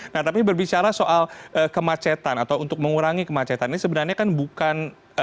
nah tapi berbicara soal kemacetan atau untuk mengurangi kemacetan ini sebenarnya kan bukan